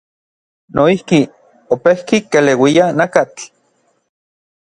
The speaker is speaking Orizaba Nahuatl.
Noijki, opejki keleuia nakatl.